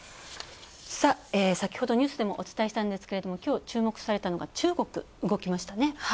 先ほどニュースでもお伝えしたんですけどもきょう注目されたのが中国、動きましたね。